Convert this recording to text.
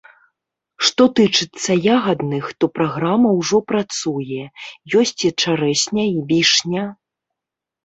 Што тычыцца ягадных, то праграма ўжо працуе, ёсць і чарэшня, і вішня.